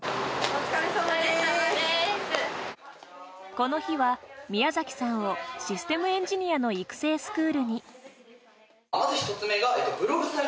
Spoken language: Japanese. この日は宮崎さんをシステムエンジニアの育成スクールに。